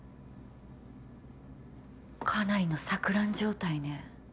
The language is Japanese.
かなりの錯乱状態ね。